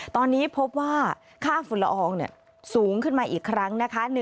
ตอนนี้พบว่าค่าฝุ่นละอองสูงขึ้นมาอีกครั้งนะคะ